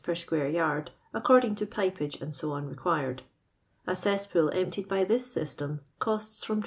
Plt square yard, according to pipeage, d'c. rt quired ; a cesspool emptied by iliis system oosts from 20«.